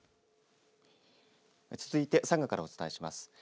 続いて、佐賀からお伝えします。